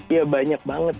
ya banyak banget